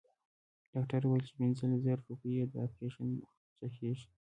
ډاکټر وويل چې پنځلس زره روپۍ يې د اپرېشن خرچه کيږي.